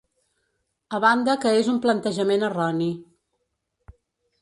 A banda que és un plantejament erroni.